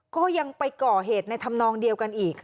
ก็ยังไปก่อเหตุในธรรมนองเดียวกันอีก